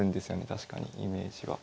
確かにイメージは。